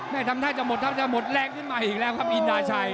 ไม่ทำหน้าจะหมดหมดดีอยู่แล้วกับอินทราชัย